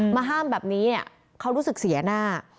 มาห้ามแบบนี้เขารู้สึกเสียหน้า